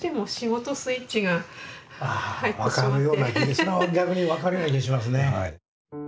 それは逆に分かるような気がしますね。